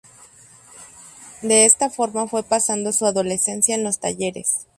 De esta forma fue pasando su adolescencia en los talleres.